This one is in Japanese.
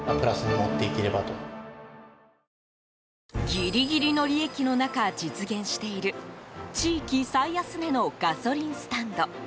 ギリギリの利益の中実現している地域最安値のガソリンスタンド。